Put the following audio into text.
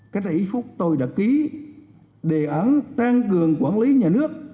các đại ý phúc tôi đã ký đề án tăng cường quản lý nhà nước